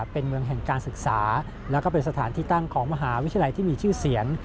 เป็นเมืองแห่งการศึกษาแล้วก็เป็นสถานที่ตั้งของมหาวิทยาลัยที่มีชื่อเสียง